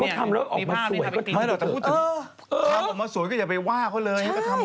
แล้วผมถามความพวกมันสวยก็อย่าไปว่าเขาเลย